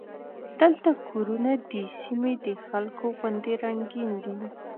دلته کورونه د سیمې د خلکو غوندې رنګین دي.